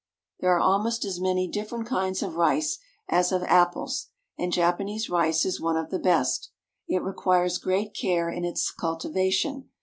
There are almost as many different kinds of rice as of apples, and Japanese rice is one of the best. It requires great care in its cultivation.